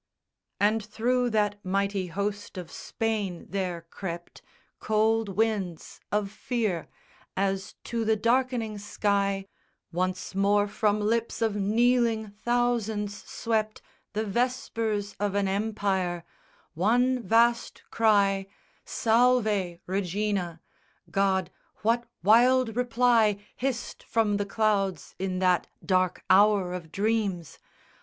And through that mighty host of Spain there crept Cold winds of fear, as to the darkening sky Once more from lips of kneeling thousands swept The vespers of an Empire one vast cry, SALVE REGINA! God, what wild reply Hissed from the clouds in that dark hour of dreams?